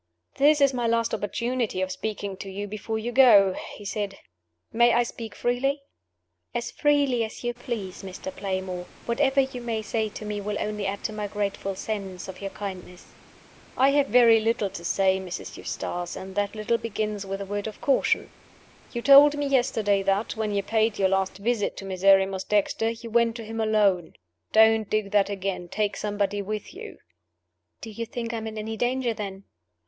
"This is my last opportunity of speaking to you before you go," he said. "May I speak freely?" "As freely as you please, Mr. Playmore. Whatever you may say to me will only add to my grateful sense of your kindness." "I have very little to say, Mrs. Eustace and that little begins with a word of caution. You told me yesterday that, when you paid your last visit to Miserrimus Dexter, you went to him alone. Don't do that again. Take somebody with you." "Do you think I am in any danger, then?"